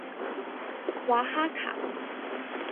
瓦哈卡。